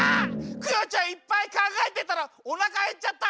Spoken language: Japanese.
クヨちゃんいっぱいかんがえてたらおなかへっちゃった。